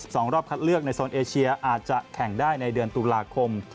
รอบคัดเลือกในโซนเอเชียอาจจะแข่งได้ในเดือนตุลาคม